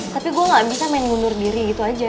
tapi gue gak bisa main ngundur diri gitu aja